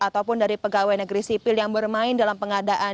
ataupun dari pegawai negeri sipil yang bermain dalam pengadaan